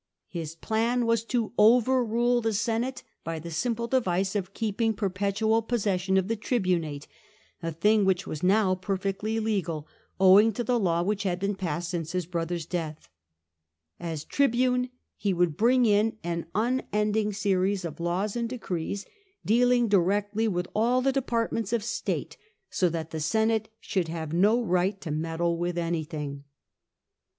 ^ His pl an w as to overrule the Senate by the simpje_ dev ice of ^ keeping ^ petuSTp^session of the tribunate , a t hing vjaicli was njo^erfeptl y legal owing to the law which had been p assed s ince his brother's deatR As tribune he would bnng in an Dnending series of la ws and decrees dealingdirectly with all ShenS^STinents of state, so that the Senate should have a oTTi^Einto meddl©~wi& anyMng.